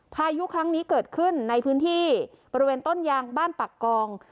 พายุครั้งนี้เกิดขึ้นในพื้นที่บริเวณต้นยางบ้านปักกอง